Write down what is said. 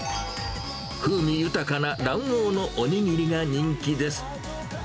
風味豊かな卵黄のおにぎりが人気です。